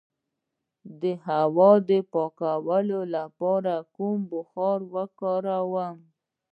د هوا د پاکوالي لپاره کوم بخار وکاروم؟